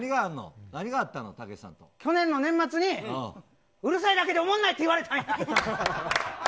去年の年末にうるせえだけでおもろないって言われたんや！